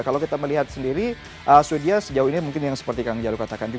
kalau kita melihat sendiri sweden sejauh ini mungkin yang seperti kang jalu katakan